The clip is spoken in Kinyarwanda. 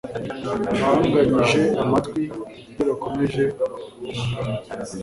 banganyije amajwi Iyo bakomeje kunganya